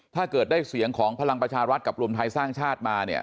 ถ้าเกิดได้เสียงของพลังประชารัฐกับรวมไทยสร้างชาติมาเนี่ย